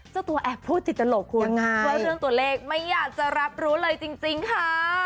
เจ้าตัวแอบพูดจิตตลกคุณว่าเรื่องตัวเลขไม่อยากจะรับรู้เลยจริงค่ะ